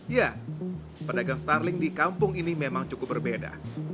ya pedagang starling di kampung ini memang cukup berbeda